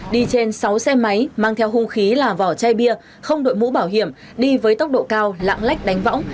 đi trên sáu xe máy mang theo hung khí là vỏ chai bia không đội mũ bảo hiểm đi với tốc độ cao lạng lách đánh võng